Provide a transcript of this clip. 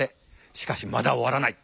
しかしまだ終わらない。